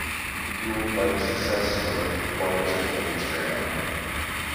Fueled by the success of Why Does It Always Rain on Me?